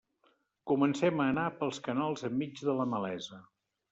Comencem a anar pels canals enmig de la malesa.